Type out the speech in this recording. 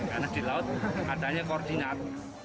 karena di laut adanya koordinat